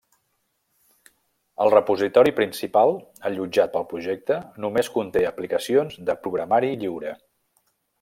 El repositori principal, allotjat pel projecte, només conté aplicacions de programari lliure.